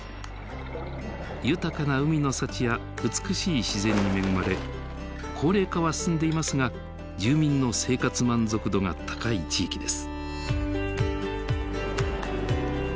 豊かな海の幸や美しい自然に恵まれ高齢化は進んでいますが住民の生活満足度が高い地域です。